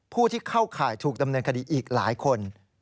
ผู้ที่เข้าข่ายถูกดำเนินคดีอีกหลายคน